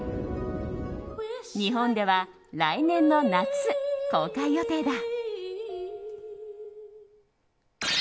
日本では来年の夏公開予定だ。